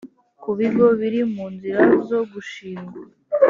ku bigo biri mu nzira zo gushingwa